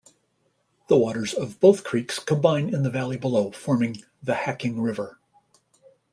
The waters of both creeks combine in the valley below, forming the Hacking River.